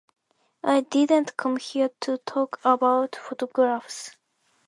I didn't come here to talk about photographs.